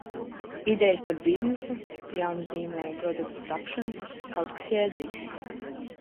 Idejas par biznesu, jaunu zīmolu un produktu tapšanu, kaut kas jēdzīgs.